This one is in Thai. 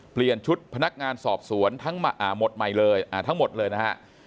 เปลี่ยนชุดพนักงานสอบสวนทั้งหมดเลยนะฮะ